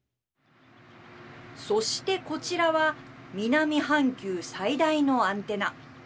そして、こちらは南半球最大のアンテナ。